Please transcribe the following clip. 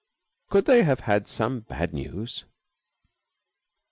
Could they have had some bad news?